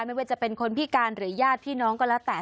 ไม่ว่าจะเป็นคนพิการหรือญาติพี่น้องก็แล้วแต่